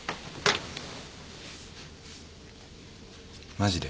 マジで？